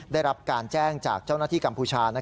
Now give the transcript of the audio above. ได้รับการแจ้งจากเจ้าหน้าที่กัมพูชา